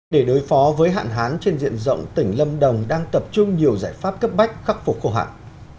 để đối phó với hạn hán trên diện rộng tỉnh lâm đồng đang tập trung nhiều giải pháp cấp bách khắc phục khô hạn